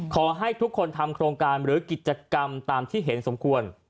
ขอให้ทุกคนทำโครงการหรือกิจกรรมตามที่เห็นสมควร